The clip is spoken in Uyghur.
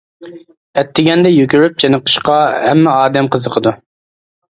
ئەتىگەندە يۈگۈرۈپ چېنىقىشقا ھەممە ئادەم قىزىقىدۇ.